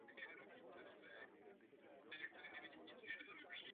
U řady z nich byly prokázány karcinogenní účinky.